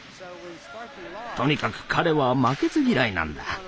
とにかく彼は負けず嫌いなんだ。